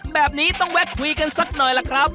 แบบนี้ต้องแวะคุยกันสักหน่อยล่ะครับ